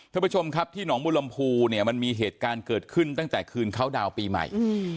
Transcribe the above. ท่านผู้ชมครับที่หนองบุรมภูเนี่ยมันมีเหตุการณ์เกิดขึ้นตั้งแต่คืนเขาดาวน์ปีใหม่